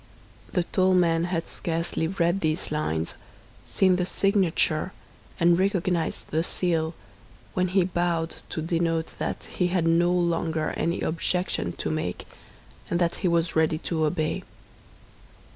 The tall man had scarcely read these lines, seen the signature, and recognized the seal, when he bowed to denote that he had no longer any objection to make, and that he was ready to obey.